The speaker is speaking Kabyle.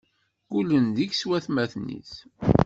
Ggullen deg-s watmaten-is.